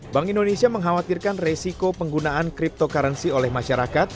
bank indonesia mengkhawatirkan resiko penggunaan cryptocurrency oleh masyarakat